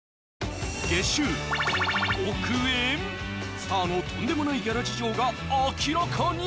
スターのとんでもないギャラ事情が明らかに！